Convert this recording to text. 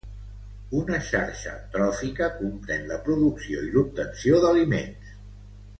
Una xarxa tròfica comprèn la producció i l'obtenció d'aliments.